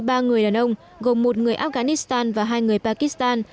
ba người đàn ông gồm một người afghanistan và hai người pakistan